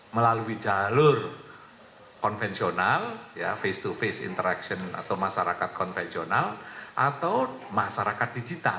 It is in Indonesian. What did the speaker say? melalui jalur konvensional face to face interaction atau masyarakat konvensional atau masyarakat digital